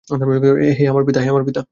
হে আমার পিতা!